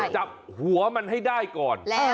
จับหัวมันให้ได้ก่อน